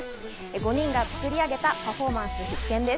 ５人が作り上げたパフォーマンス、必見です。